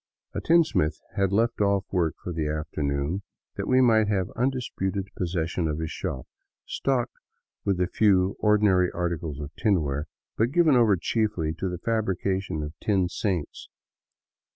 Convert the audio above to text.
A tinsmith had left off work for the afternoon that we might have undisputed possession of .his shop, stocked with a few ordinary articles of tinware, but given over chiefly to the fabrication of tin saints.